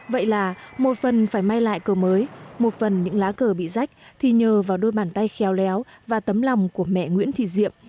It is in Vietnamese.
vậy là một phần phải may lại cờ mới một phần những lá cờ bị rách thì nhờ vào đôi bàn tay khéo léo và tấm lòng của mẹ nguyễn thị diệm